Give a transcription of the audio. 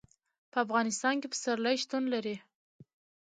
په افغانستان کې پسرلی شتون لري.